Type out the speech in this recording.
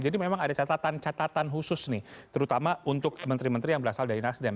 jadi memang ada catatan catatan khusus nih terutama untuk menteri menteri yang berasal dari nasdem